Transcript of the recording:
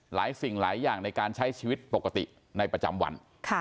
สิ่งหลายอย่างในการใช้ชีวิตปกติในประจำวัน